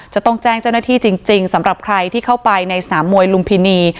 จะต้องแจ้งเจ้าหน้าที่จริงสำหรับใครที่เข้าไปในสนามมวยลุมพินี